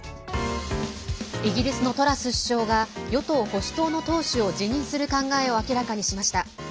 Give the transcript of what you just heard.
イギリスのトラス首相が与党・保守党の党首を辞任する考えを明らかにしました。